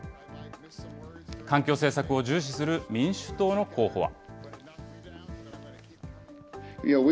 環境政策を重視する民主党の候補は。